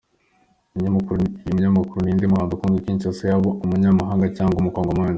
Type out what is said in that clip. Umunyamakuru: Ninde muhanzi ukunzwe i Kinshasa yaba umunyamahanga cyangwa umukongomani?.